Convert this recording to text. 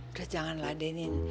udah jangan meladenin